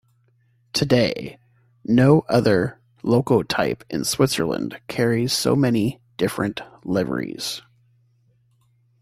Today no other loco type in Switzerland carries so many different liveries.